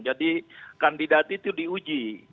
jadi kandidat itu diuji